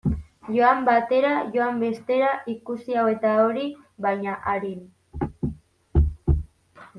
Joan batera, joan bestera, ikusi hau eta hori, baina arin.